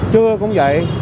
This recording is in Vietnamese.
trưa cũng vậy